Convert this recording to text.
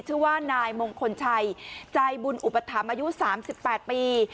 ชื่อว่านายมงคลชัยใจบุญอุปถัมภ์อายุ๓๘ปี